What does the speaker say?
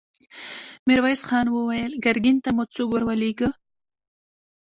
ميرويس خان وويل: ګرګين ته مو څوک ور ولېږه؟